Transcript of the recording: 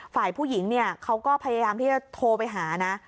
ฝ่ายผู้หญิงเนี่ยเขาก็พยายามที่จะโทรไปหานะ